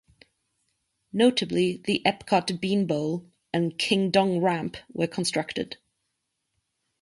Notably the Epcot Bean bowl and King Dong Ramp were constructed.